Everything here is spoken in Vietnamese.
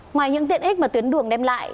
ngoài những tiện ích mà tuyến đường đem lại